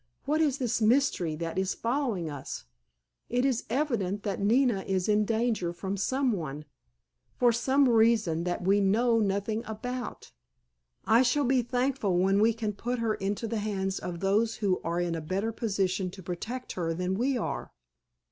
"What is this mystery that is following us? It is evident that Nina is in danger from some one—for some reason that we know nothing about. I shall be thankful when we can put her into the hands of those who are in a better position to protect her than we are."